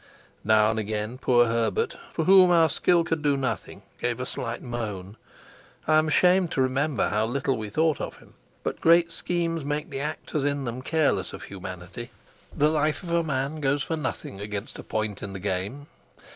Now and again poor Herbert, for whom our skill could do nothing, gave a slight moan. I am ashamed to remember how little we thought of him, but great schemes make the actors in them careless of humanity; the life of a man goes for nothing against a point in the game.